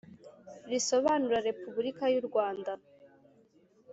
R isobanura Repubulika y’u Rwanda.